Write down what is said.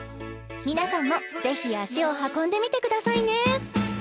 皆さんもぜひ足を運んでみてくださいね